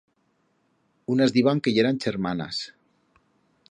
Unas diban que yeran chermanas.